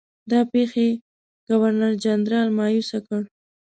دا پیښې ګورنرجنرال مأیوس کړ.